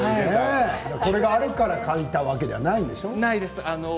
これがあるから描いたわけじゃないんでしょう？